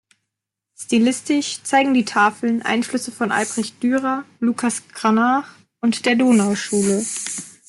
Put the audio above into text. Stilistisch zeigen die Tafeln Einflüsse von Albrecht Dürer, Lucas Cranach und der Donauschule.